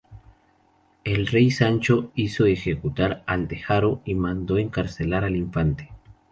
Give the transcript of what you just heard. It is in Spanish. El rey Sancho hizo ejecutar al de Haro y mandó encarcelar al infante.